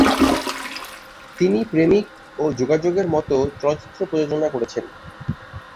তিনি "প্রেমিক" ও "যোগাযোগ" এর মত চলচ্চিত্র প্রযোজনা করেছিলেন।